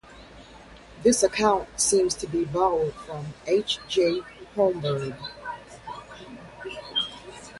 This account seems to be borrowed from H. J. Holmberg.